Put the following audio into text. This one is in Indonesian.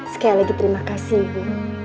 sekali lagi terima kasih bu